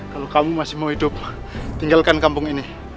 kalau kamu masih mau hidup tinggalkan kampung ini